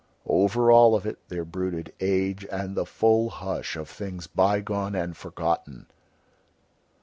Over all of it there brooded age and the full hush of things bygone and forgotten.